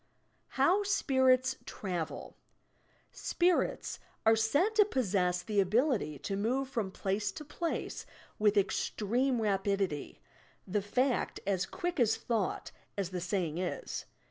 HOW spmrrs travel "Spirits" are said to possess the ability to move from place to place with estrcme rapidity, — the fact, "as quick as thought," as the saying is.